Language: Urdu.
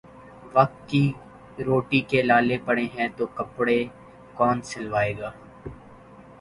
وقت کی روٹی کے لالے پڑے ہیں تو کپڑے کون سلوائے گا